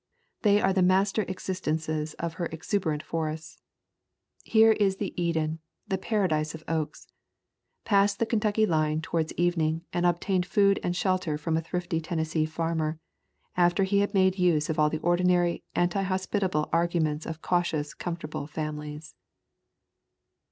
They are the master existences of her exuberant forests. Here is the Eden, the para dise of oaks. Passed the Kentucky line towards evening and obtained food and shelter from a thrifty Tennessee farmer, after he had made use of all the ordinary anti hospitable argu ments of cautious comfortable families.